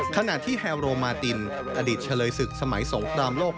ขณะที่แฮลโรมาตินอดีตเฉลยศึกสมัยสงครามโลก